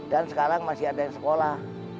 dan sekarang masih ada yang sekolah